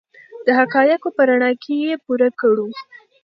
د حقایقو په رڼا کې یې پوره کړو.